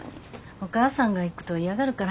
お母さんが行くと嫌がるから。